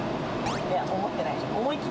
いや、思ってないでしょ？